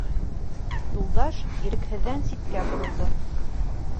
Юлдаш ирекһеҙҙән ситкә боролдо.